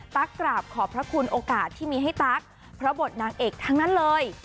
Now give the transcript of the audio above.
ตั๊กกราบขอบพระคุณโอกาสที่มีให้ตั๊กเพราะบทนางเอกทั้งนั้นเลย